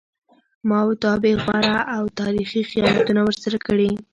ما و تا بې غوره او تاریخي خیانتونه ورسره کړي